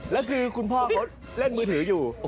แล้วคือคุณพ่อเขาเล่นมือถืออยู่